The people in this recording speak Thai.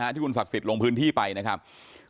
หายไปตั้งกี่ปีแล้วอยู่ก็บอกว่ามันจะมาแบบนี้